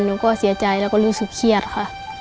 หนูก็เสียใจแล้วก็รู้สึกเครียดค่ะ